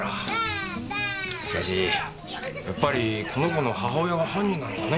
しかしやっぱりこの子の母親が犯人なのかね？